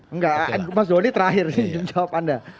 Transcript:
enggak mas doni terakhir nih menjawab anda